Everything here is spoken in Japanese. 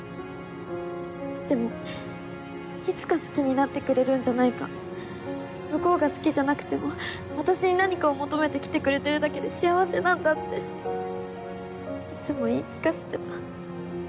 でもいつか好きになってくれるんじゃないか向こうが好きじゃなくても私に何かを求めてきてくれてるだけで幸せなんだっていつも言い聞かせてた。